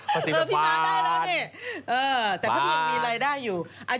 ภาษีแบบฟานฟานฟาน